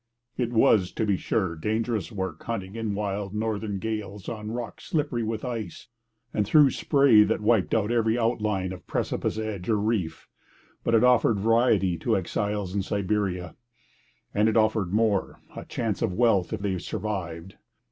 It was, to be sure, dangerous work hunting in wild northern gales on rocks slippery with ice and through spray that wiped out every outline of precipice edge or reef; but it offered variety to exiles in Siberia; and it offered more a chance of wealth if they survived.